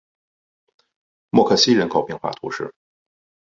默克西人口变化图示